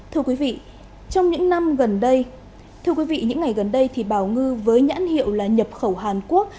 thưa quý vị trong những năm gần đây thưa quý vị những ngày gần đây thì bảo ngư với nhãn hiệu là nhập khẩu hàn quốc